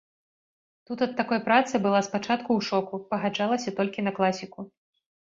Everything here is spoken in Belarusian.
Тут ад такой працы была спачатку ў шоку, пагаджалася толькі на класіку.